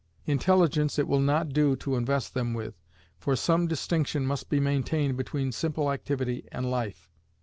Intelligence it will not do to invest them with, for some distinction must be maintained between simple activity and life.